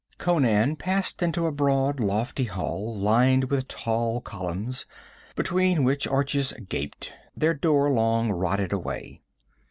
Conan passed into a broad, lofty hall, lined with tall columns, between which arches gaped, their door long rotted away.